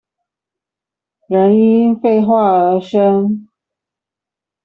人因廢話而生